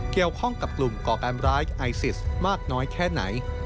เกี่ยวข้องกับกลุ่มก่อการร้ายไอซิสมากน้อยแค่ไหน